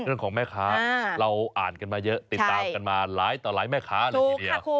เรื่องของแม่ค้าเราอ่านกันมาเยอะติดตามกันมาหลายต่อหลายแม่ค้าเลยทีเดียว